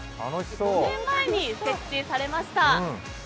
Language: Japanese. ５年前に設置されました。